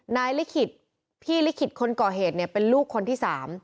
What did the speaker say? ลิขิตพี่ลิขิตคนก่อเหตุเนี่ยเป็นลูกคนที่๓